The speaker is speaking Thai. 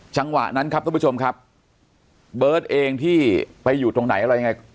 จังหวะนั้นครับทุกผู้ชมครับเบิร์ตเองที่ไปอยู่ตรงไหนอะไรยังไง